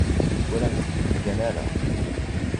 Ur am-tent-id-ǧǧant ara.